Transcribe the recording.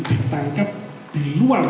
ditangkap di luar